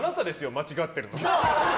間違ってるの。